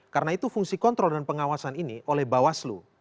karena itu fungsi kontrol dan pengawasan ini oleh bawaslu